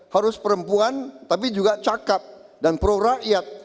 harus perempuan tapi juga cakep dan pro rakyat